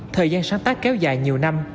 thời gian sáng tác kéo dài nhiều năm